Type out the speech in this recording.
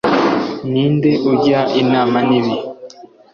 Ninde ujya inama n'ibihe